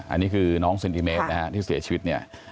อันนี้คือน้องเซนติเมตรนะฮะที่เสียชีวิตเนี่ย